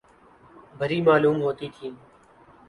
بھری معلوم ہوتی تھی ۔